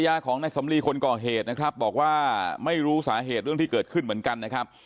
ของนายสำลีคนก่อเหตุนะครับบอกว่าไม่รู้สาเหตุเรื่องที่เกิดขึ้นเหมือนกันนะครับ